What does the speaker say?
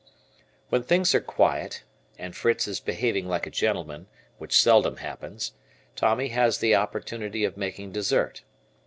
When things are quiet, and Fritz is behaving like a gentleman, which seldom happens, Tommy has the opportunity of making dessert.